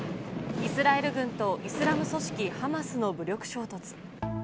イスラエル軍とイスラム組織ハマスの武力衝突。